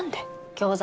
餃子。